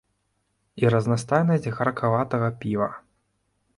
І разнастайнасць гаркаватага піва.